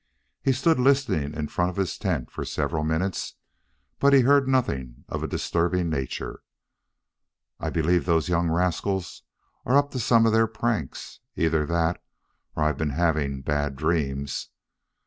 He stood listening in front of his tent for several minutes, but heard nothing of a disturbing nature. "I believe those young rascals are up to some of their pranks either that, or I have been having bad dreams.